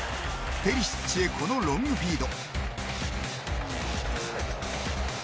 ペリシッチへこのロングフィード。